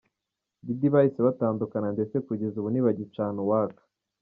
Diddy bahise batandukana ndetse kugeza ubu ntibagicana uwaka.